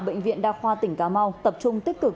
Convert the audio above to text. bệnh viện đa khoa tỉnh cà mau tập trung tích cực